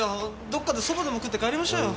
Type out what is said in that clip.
どっかで蕎麦でも食って帰りましょうよ。